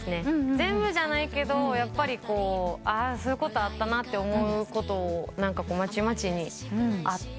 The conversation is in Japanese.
全部じゃないけどやっぱりそういうことあったなと思うことをまちまちにあってっていう感じで。